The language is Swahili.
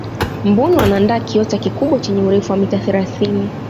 mbuni wanaandaa kiota kikubwa chenye urefu wa mita thelathini